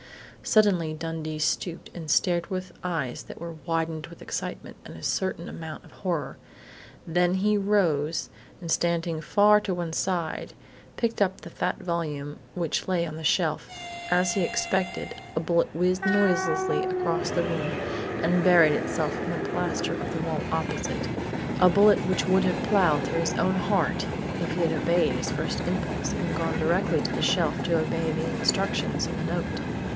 Suddenly Dundee stooped and stared with eyes that were widened with excitement and a certain amount of horror. Then he rose, and, standing far to one side, picked up the fat volume which lay on the shelf. As he had expected, a bullet whizzed noiselessly across the room and buried itself in the plaster of the wall opposite a bullet which would have ploughed through his own heart if he had obeyed his first impulse and gone directly to the shelf to obey the instructions in the note.